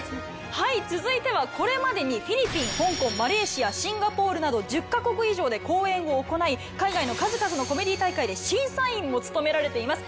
はい続いてはこれまでにフィリピン香港マレーシアシンガポールなど１０か国以上で公演を行い数々の。を務められています